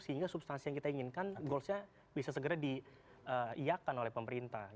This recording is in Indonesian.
sehingga substansi yang kita inginkan goalsnya bisa segera diiakan oleh pemerintah